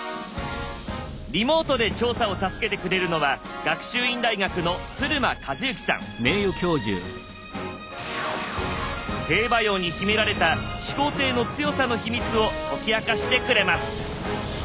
リモートで調査を助けてくれるのは兵馬俑に秘められた始皇帝の強さのヒミツを解き明かしてくれます！